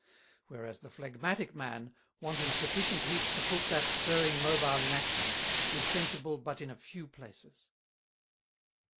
Whereas the Phlegmatick Man, wanting sufficient Heat to put that stirring Mobile in Action, is sensible but in a few places.